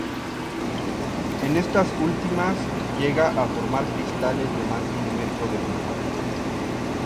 En estas últimas llega a formar cristales de más de un metro de longitud.